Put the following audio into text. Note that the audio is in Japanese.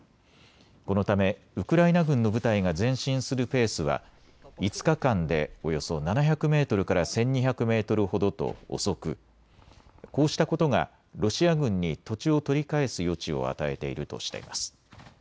このためウクライナ軍の部隊が前進するペースは５日間でおよそ７００メートルから１２００メートルほどと遅くこうしたことがロシア軍に土地を取り返す余地を与えているとしています。